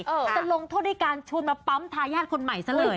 จะลงโทษด้วยการชวนมาปั๊มทายาทคนใหม่ซะเลย